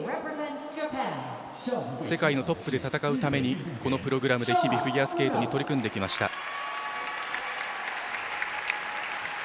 世界のトップで戦うためにこのプログラムで日々、フィギュアスケートに取り組んできました。